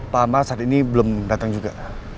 pak amal saat ini belum datang juga